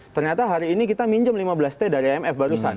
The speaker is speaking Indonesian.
ternyata hari ini kita minjem lima belas t dari imf barusan